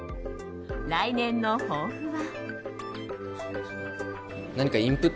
来年の抱負は。